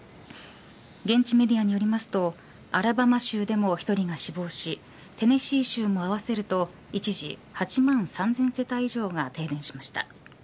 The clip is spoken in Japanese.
現地メディアによりますとアラバマ州でも１人が死亡しテネシー州も合わせると一時８万３０００世帯以上が停電しました。